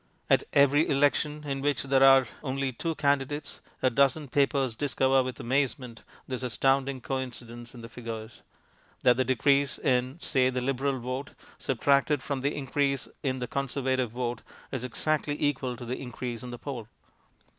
At every election in which there are only two candidates a dozen papers discover with amazement this astounding coincidence in the figures: that the decrease in, say, the Liberal vote subtracted from the increase in the Conservative vote is exactly equal to the increase in the poll.